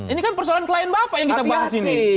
ini kan persoalan klien bapak yang kita bahas ini